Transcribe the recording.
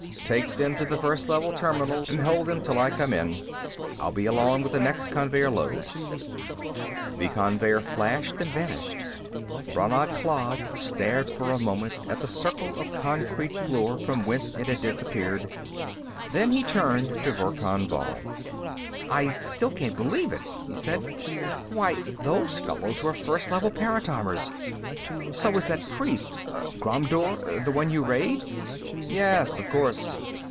"Take them to the First Level terminal and hold them till I come in. I'll be along with the next conveyer load." The conveyer flashed and vanished. Brannad Klav stared for a moment at the circle of concrete floor from whence it had disappeared. Then he turned to Verkan Vall. "I still can't believe it," he said. "Why, those fellows were First Level paratimers. So was that priest, Ghromdur: the one you rayed." "Yes, of course.